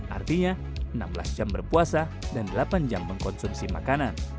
artinya enam belas jam berpuasa dan delapan jam mengkonsumsi makanan